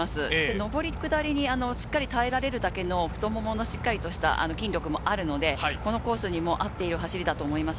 上り下りに耐えられるだけの太もものしっかりとした筋力もあるので、このコースにも合っている走りだと思います